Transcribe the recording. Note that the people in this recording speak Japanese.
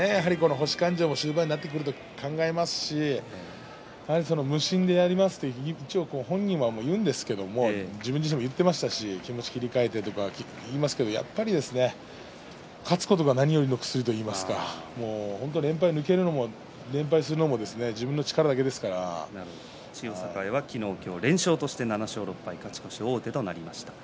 星勘定も終盤になってくると考えますし無心でやりますと一応本人は言うんですけど自分自身も言っていましたし気持ちを切り替えてとか言いますけどやっぱり勝つことが何よりの薬といいますか連敗を抜けるのも連敗するのも千代栄は昨日、今日連勝として勝ち越し王手となりました。